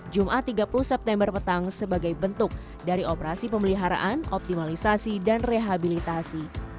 jumat tiga puluh september petang sebagai bentuk dari operasi pemeliharaan optimalisasi dan rehabilitasi